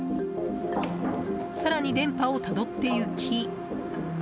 更に、電波をたどってゆき。